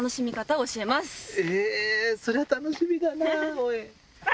そりゃ楽しみだなぁ。